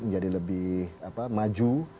menjadi lebih apa maju